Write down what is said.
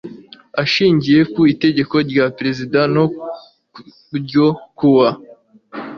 ashingiye ku iteka rya perezida no ryo kuwa